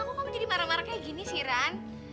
kok kamu jadi marah marah kayak gini sih ran